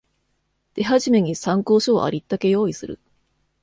手始めに参考書をありったけ用意する